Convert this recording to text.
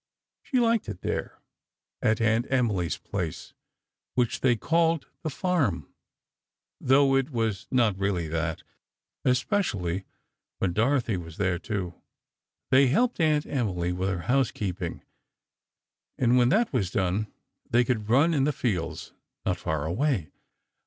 She liked it there, at Aunt Emily's place, which they called "the farm," (though it was not really that,) especially when Dorothy was there, too. They helped Aunt Emily with her housekeeping, and when that was done, they could run in the fields, not far away.